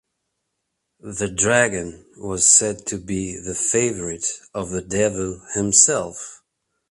The dragon was said to be the favourite of the Devil himself.